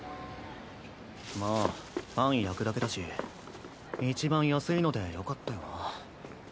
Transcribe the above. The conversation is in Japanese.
まあパン焼くだけだしいちばん安いのでよかったよな。